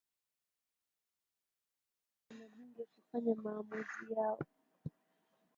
Wanatumia mahakama na bunge kufanya maamuzi yao